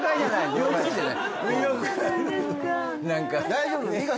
大丈夫。